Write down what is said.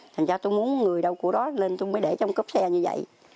thành ra tôi muốn người đâu của đó lên tôi mới để trong cốp xe như vậy